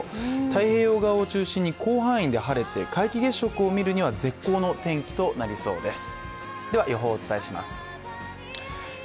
太平洋側を中心に広範囲で晴れて皆既月食を見るには絶好の天気となりそうです。